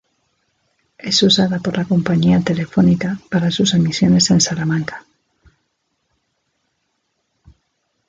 Es usada por la compañía Telefónica para sus emisiones en Salamanca.